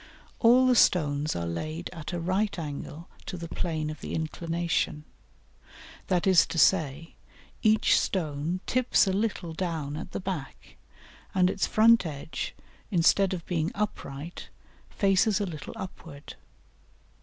All the stones are laid at a right angle to the plane of the inclination that is to say, each stone tips a little down at the back, and its front edge, instead of being upright, faces a little upward.